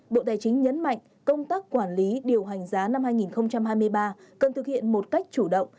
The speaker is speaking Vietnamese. bộ tài chính nhấn mạnh công tác quản lý điều hành giá năm hai nghìn hai mươi ba cần thực hiện một cách chủ động